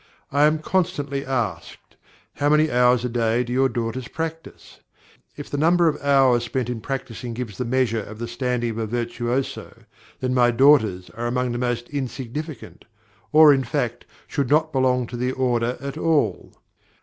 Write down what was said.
I am constantly asked, "How many hours a day do your daughters practise?" If the number of hours spent in practising gives the measure of the standing of a virtuoso, then my daughters are among the most insignificant, or in fact should not belong to the order at all.